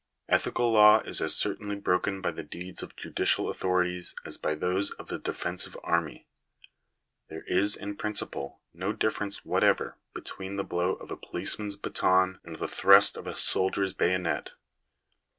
Ethical law is as certainly broken by the deeds of judicial authorities as by those of a defensive army. There is, in principle, no difference whatever between the blow of a policeman's baton and the thrust of a soldier's bayonet.